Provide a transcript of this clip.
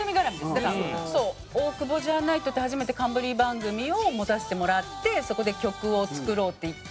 だからそう『大久保じゃあナイト』って初めて冠番組を持たせてもらってそこで曲を作ろうっていって。